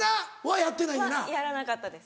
やらなかったです